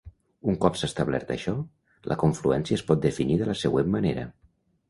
Un cop s'ha establert això, la confluència es pot definir de la següent manera.